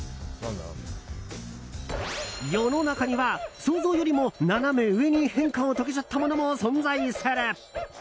世の中には想像よりもナナメ上に変化を遂げちゃったものも存在する！